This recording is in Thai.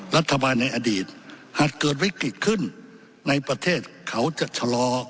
รัฐบาลในอดีตหากเกิดวิกฤตขึ้นในประเทศเขาจะชะลอ